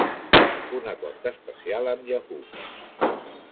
Un acord especial amb Yahoo!